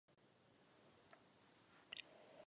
Jeho tělo bylo nalezeno v jeho domě v Malibu v Kalifornii.